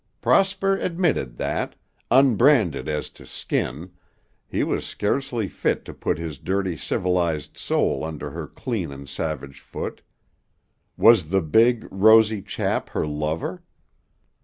Prosper admitted, that, unbranded as to skin, he was scarcely fit to put his dirty civilized soul under her clean and savage foot. Was the big, rosy chap her lover?